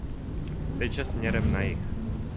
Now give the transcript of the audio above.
Teče směrem na jih.